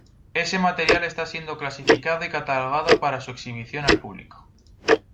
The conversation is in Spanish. Ese material está siendo clasificado y catalogado para su exhibición al público.